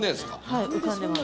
はい浮かんでます